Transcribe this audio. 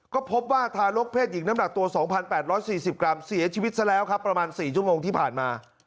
ก็พบว่าทารกเพศหญิงน้ำหนักตัว๒๘๔๐กรัมเสียชีวิตซะแล้วครับประมาณ๔ชั่วโมงที่ผ่านมา